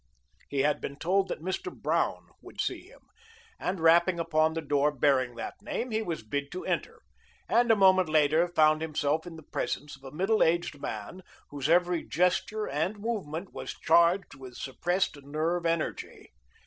He had been told that Mr. Brown would see him, and rapping upon the door bearing that name he was bid to enter, and a moment later found himself in the presence of a middle aged man whose every gesture and movement was charged with suppressed nerve energy.